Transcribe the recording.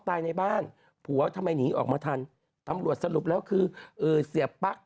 นางคิดแบบว่าไม่ไหวแล้วไปกด